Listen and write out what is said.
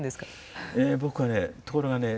僕はねところがね